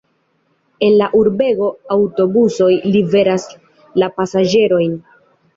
En la urbego aŭtobusoj liveras la pasaĝerojn.